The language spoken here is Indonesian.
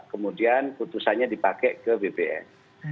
kemudian putusannya dipakai ke bpn